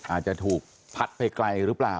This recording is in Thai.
อาจจะถูกพัดไปไกลหรือเปล่า